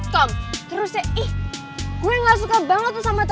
terusnya ih gue gak suka banget tuh sama tante